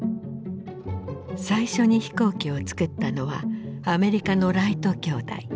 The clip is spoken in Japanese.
最初に飛行機をつくったのはアメリカのライト兄弟。